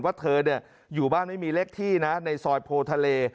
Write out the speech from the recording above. ว่าเธออยู่บ้านไม่มีเลขที่นะในซอยโพทะเล